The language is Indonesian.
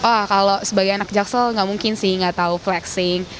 oh kalau sebagai anak jaksel nggak mungkin sih nggak tahu flexing